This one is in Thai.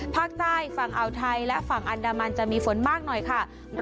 ภาคใต้ฝั่งอ่าวไทยและฝั่งอันดามันจะมีฝนมากหน่อยค่ะ